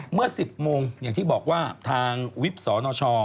เมื่อ๑๐โมงอย่างที่บอกว่าทางวิบสนช